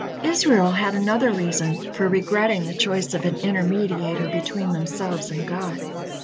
Israel had another reason for regretting the choice of an intermediator between themselves and God.